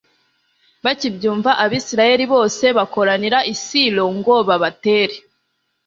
bakibyumva, abayisraheli bose bakoranira i silo, ngo babatere